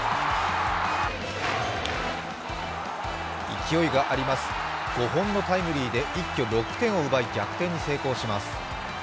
勢いがあります、５本のタイムリーで一挙６点を奪い、逆転に成功します。